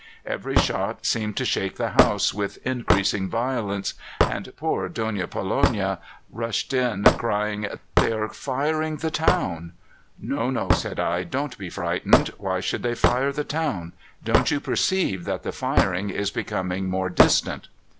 Every shot seemed to shake the house with increasing violence, and poor Donna Pollonia rushed in crying: "'They are firing the town!' "'No, no,' said I; 'don't be frightened. Why should they fire the town? Don't you perceive that the firing is becoming more distant?